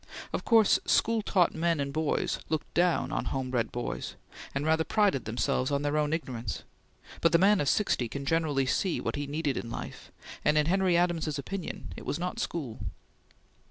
Of course, school taught men and boys looked down on home bred boys, and rather prided themselves on their own ignorance, but the man of sixty can generally see what he needed in life, and in Henry Adams's opinion it was not school.